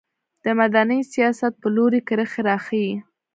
د مدني سیاست په لوري کرښې راښيي.